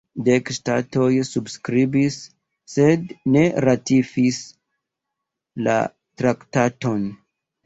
Dek ŝtatoj subskribis, sed ne ratifis la traktaton.